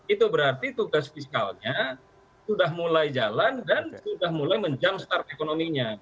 itu berarti tugas fiskalnya sudah mulai jalan dan sudah mulai menjumpstart ekonominya